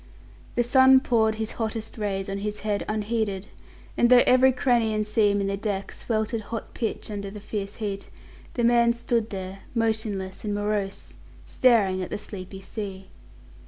The sun poured his hottest rays on his head unheeded, and though every cranny and seam in the deck sweltered hot pitch under the fierce heat, the man stood there, motionless and morose, staring at the sleepy sea.